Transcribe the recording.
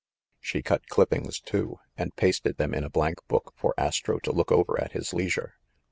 She cut clippings, too, and pasted them in a blank book for Astro to look over at his leisure.